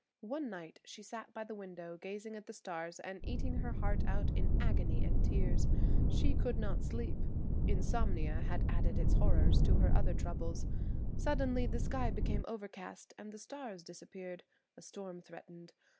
One night she sat by the window gazing at the stars and eating her heart out in agony and tears. She could not sleep; insomnia had added its horrors to her other troubles. Suddenly the sky became overcast and the stars disappeared. A storm threatened.